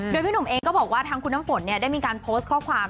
โดยพี่หนุ่มเองก็บอกว่าทางคุณน้ำฝนได้มีการโพสต์ข้อความ